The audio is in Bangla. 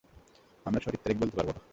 আমরা সঠিক তারিখ বলতে পারব না।